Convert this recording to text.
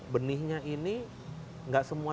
benihnya ini enggak semua